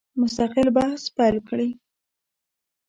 مستقل بحث پیل کړي.